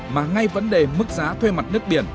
mà ngay vấn đề mức giá thuê mặt nước biển